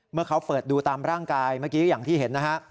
เมื่อเขาเปิดดูตามร่างกายเมื่อกี้อย่างที่เห็นนะฮะ